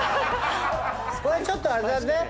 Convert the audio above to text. ちょっとあれだね。